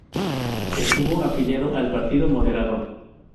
Estuvo afiliado al Partido Moderado.